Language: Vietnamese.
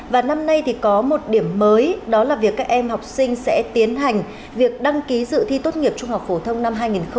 và năm nay thì có một điểm mới đó là việc các em học sinh sẽ tiến hành việc đăng ký dự thi tốt nghiệp trung học phổ thông năm hai nghìn hai mươi